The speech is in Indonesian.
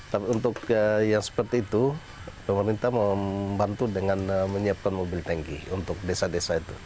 tapi untuk yang seperti itu pemerintah membantu dengan menyiapkan mobil tanki untuk desa desa itu